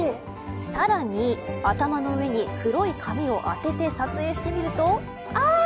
さらに、頭の上に黒い紙を当てて撮影してみると。